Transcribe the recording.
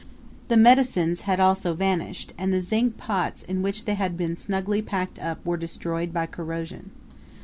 The medicines had also vanished, and the zinc pots in which they had been snugly packed up were destroyed by corrosion.